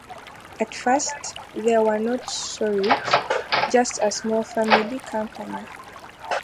At first, they were not so rich, just a small family company.